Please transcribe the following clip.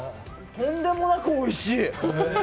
とんでもなくおいしい！